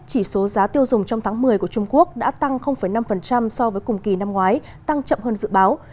người của trung quốc đã tăng năm so với cùng kỳ năm ngoái tăng chậm hơn dự báo